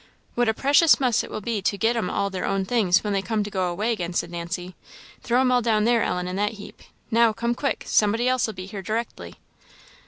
"What a precious muss it will be to get 'em all their own things when they come to go away again," said Nancy. "Throw 'em all down there, Ellen, in that heap. Now, come quick somebody else'll be here directly."